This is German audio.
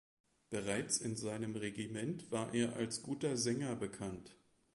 Bereits in seinem Regiment war er als guter Sänger bekannt.